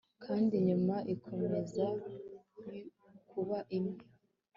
Kandi inyuma ikomeza kuba imwe